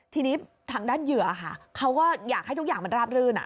ทีนี้ทางด้านเหยื่อค่ะเขาก็อยากให้ทุกอย่างมันราบรื่น